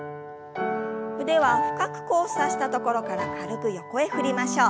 腕は深く交差したところから軽く横へ振りましょう。